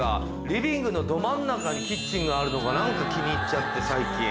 リビングのど真ん中にキッチンがあるのが何か気に入っちゃって最近。